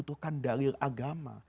membutuhkan dalil agama